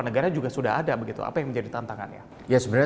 sebenarnya ini adalah setidaknya penulisan game berikut